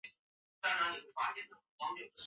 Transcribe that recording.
车站色调为米黄色。